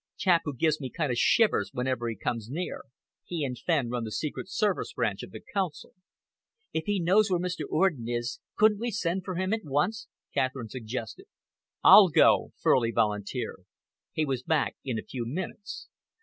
Chap who gives me kind of shivers whenever he comes near. He and Fenn run the secret service branch of the Council." "If he knows where Mr. Orden is, couldn't we send for him at once?" Catherine suggested. "I'll go," Furley volunteered. He was back in a few minutes.